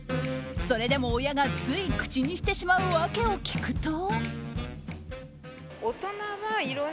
それでも親がつい口にしてしまう訳を聞くと。